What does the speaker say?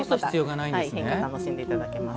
楽しんでいただけます。